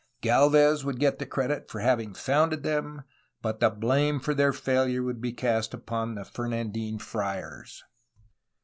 Gdlvez would get the credit for having founded them, but the blame for their failure would be cast upon the Fernandine friars.